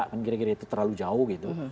kan kira kira itu terlalu jauh gitu